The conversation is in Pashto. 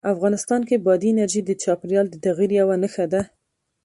افغانستان کې بادي انرژي د چاپېریال د تغیر یوه نښه ده.